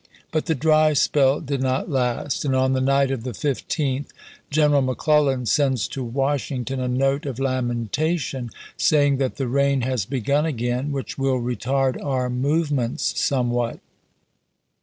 But the dry spell did not last, and on the night of the 15th, General McClellan sends to Washington a note of lamentation saying that the rain has begun again, which will " retard iwd. our movements somewhat."